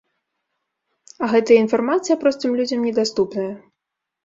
А гэтая інфармацыя простым людзям недаступная.